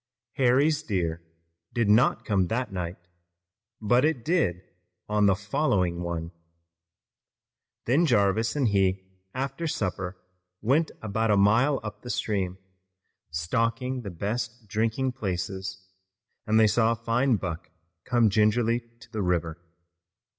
Harry's deer did not come that night, but it did on the following one. Then Jarvis and he after supper went about a mile up the stream, stalking the best drinking places, and they saw a fine buck come gingerly to the river.